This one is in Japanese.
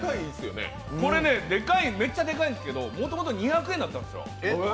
めっちゃでかいんですけどもともと２００円だったんですよ。